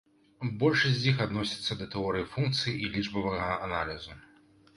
Большасць з іх адносіцца да тэорыі функцый і лічбавага аналізу.